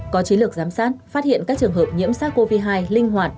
có chí lực giám sát phát hiện các trường hợp nhiễm sát covid một mươi chín linh hoạt